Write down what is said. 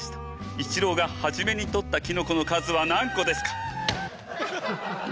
一郎が初めに採ったキノコの数は何個ですか？」。